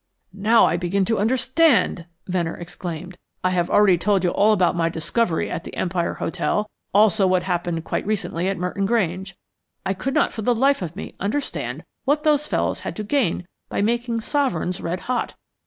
"Now I begin to understand," Venner exclaimed. "I have already told you all about my discovery at the Empire Hotel, also what happened quite recently at Merton Grange. I could not for the life of me understand what those fellows had to gain by making sovereigns red hot.